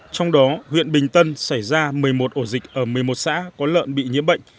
trong đó huyện bình tân xảy ra một mươi một ổ dịch ở một mươi một xã có lợn bị nhiễm bệnh